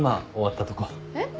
えっ？